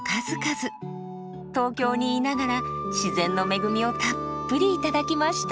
東京にいながら自然の恵みをたっぷり頂きました。